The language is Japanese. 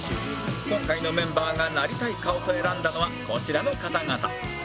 今回のメンバーがなりたい顔と選んだのはこちらの方々